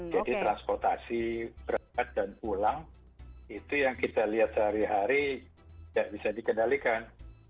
jadi transportasi berangkat dan pulang itu yang kita lihat sehari hari nggak bisa dikendalikan